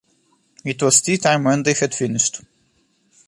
It was tea-time when they had finished.